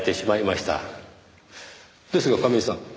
ですが亀井さん